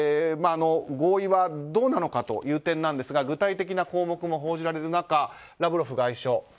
合意はどうなのかという点ですが具体的な項目も報じられる中ラブロフ外相。